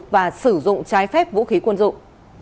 và sử dụng trái phép vũ khí quân dụng